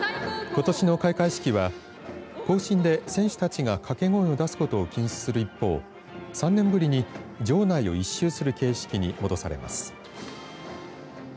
ことしの開会式は行進で選手たちが、かけ声を出すことを禁止する一方３年ぶりに場内を１周する形式に戻されます。